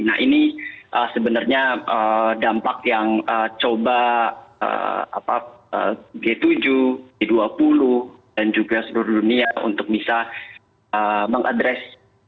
nah ini sebenarnya dampak yang coba g tujuh g dua puluh dan juga seluruh dunia untuk bisa mengadres